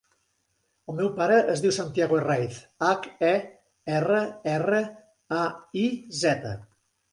El meu pare es diu Santiago Herraiz: hac, e, erra, erra, a, i, zeta.